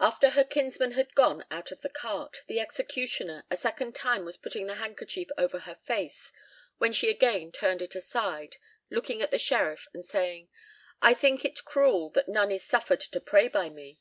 "After her kinsman had gone out of the cart, the executioner a second time was putting the handkerchief over her face, when she again turned it aside, looking at the sheriff, and saying, 'I think it cruel that none is suffered to pray by me.'